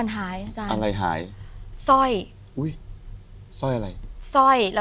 แน่หรือ